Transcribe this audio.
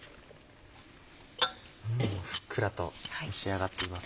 ふっくらと蒸し上がっています。